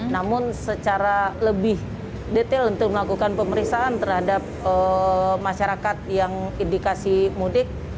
namun secara lebih detail untuk melakukan pemeriksaan terhadap masyarakat yang indikasi mudik